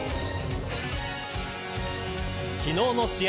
昨日の試合